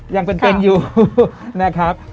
ยังเป็นอยู่นะครับ